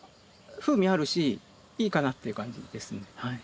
風味あるしいいかな」っていう感じですね。